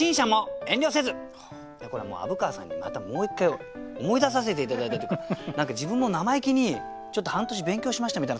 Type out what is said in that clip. これはもう虻川さんにまたもう一回思い出させて頂いたというか何か自分も生意気に「ちょっと半年勉強しました」みたいな